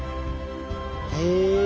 へえ。